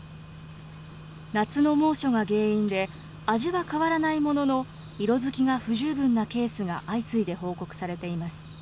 夏の猛暑が原因で、味は変わらないものの、色づきが不十分なケースが相次いで報告されています。